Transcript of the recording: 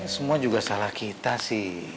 semua juga salah kita sih